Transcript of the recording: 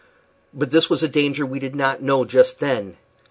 But this was a danger which we did not know just then.